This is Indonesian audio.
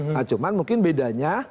nah cuman mungkin bedanya